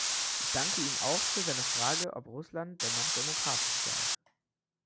Ich danke ihm auch für seine Frage, ob Russland denn noch demokratisch sei.